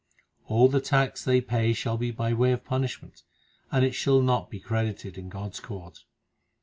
All the tax they pay shall be by way of punishment, and it shall not be credited in God s court.